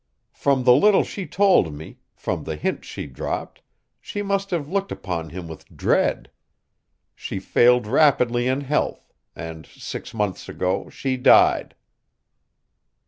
From the little she told me, from the hints she dropped, she must have looked upon him with dread. She failed rapidly in health, and six months ago she died."